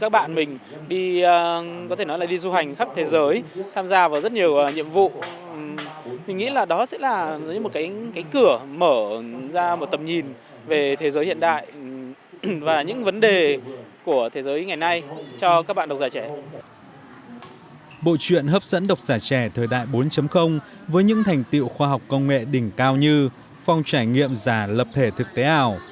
bộ truyện hấp dẫn đọc giả trẻ thời đại bốn với những thành tiệu khoa học công nghệ đỉnh cao như phong trải nghiệm giả lập thể thực tế ảo